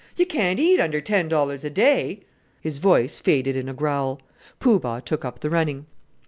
You can't eat under ten dollars a day!" His voice faded in a growl. Poo Bah took up the running.